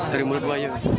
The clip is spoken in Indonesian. dari mulut buaya